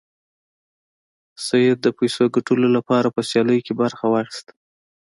سید د پیسو ګټلو لپاره په سیالیو کې برخه واخیسته.